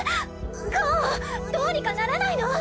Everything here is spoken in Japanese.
ゴウどうにかならないの！？